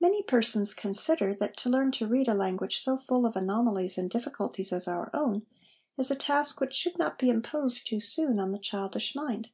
Many persons consider that to learn to read a language so full of anomalies and difficulties as our own is a task which should not be imposed too soon on the childish mind.